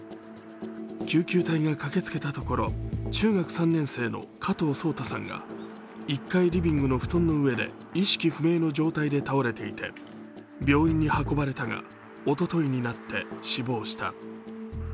救急隊が駆けつけたところ中学３年生の加藤颯太さんが１階リビングの布団の上で意識不明の状態で倒れていて、病院に運ばれたがおとといになって死亡した。